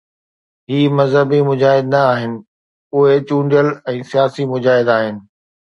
هي مذهبي مجاهد نه آهن، اهي چونڊيل ۽ سياسي مجاهد آهن.